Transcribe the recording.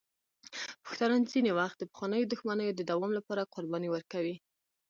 پښتانه ځینې وخت د پخوانیو دښمنیو د دوام لپاره قربانۍ ورکوي.